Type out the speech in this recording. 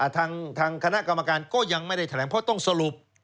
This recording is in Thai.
ทางคณะกรรมการก็ยังไม่ได้แถลงเพราะต้องสรุป